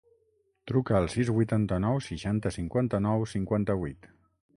Truca al sis, vuitanta-nou, seixanta, cinquanta-nou, cinquanta-vuit.